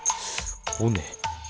おね。